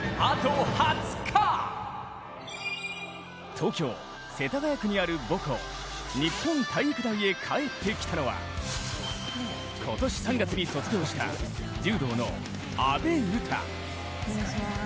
東京・世田谷区にある母校日本体育大へ帰ってきたのは今年３月に卒業した柔道の阿部詩。